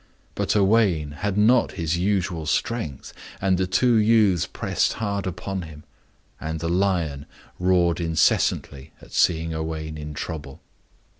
But Owain had not his usual strength, and the two youths pressed hard upon him. And the lion roared incessantly at seeing Owain in trouble.